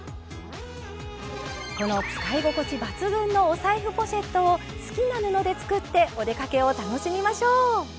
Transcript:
この使い心地抜群のお財布ポシェットを好きな布で作ってお出かけを楽しみましょう。